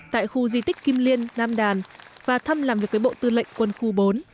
tại khu di tích kim liên nam đàn và thăm làm việc với bộ tư lệnh quân khu bốn